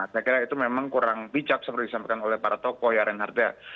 saya kira itu memang kurang bijak seperti disampaikan oleh para tokoh ya reinhardt ya